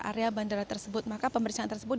area bandara tersebut maka pemeriksaan tersebut